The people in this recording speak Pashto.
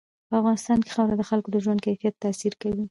په افغانستان کې خاوره د خلکو د ژوند کیفیت تاثیر کوي.